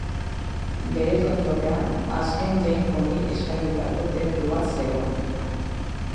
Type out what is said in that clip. Bere tontorrean, azken jainko honi eskainitako tenplu bat zegoen.